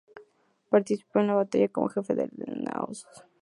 Participó en la batalla como jefe de las naos.